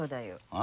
あ？